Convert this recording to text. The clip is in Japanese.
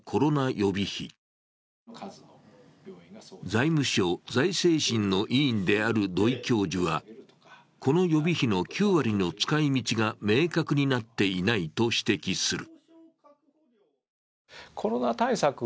財務省・財政審の委員である土居教授はこの予備費の９割の使い道が明確になっていないと指摘する。